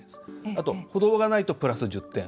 あと歩道がないと、プラス１０点。